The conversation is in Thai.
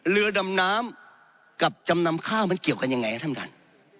เรือดำน้ำกับจำนำข้าวมันเกี่ยวกันยังไงครับท่านท่าน